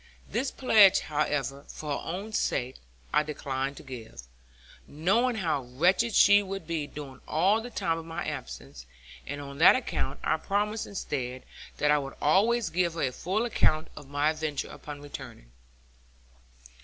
This pledge, however, for her own sake, I declined to give; knowing how wretched she would be during all the time of my absence; and, on that account, I promised instead, that I would always give her a full account of my adventure upon returning.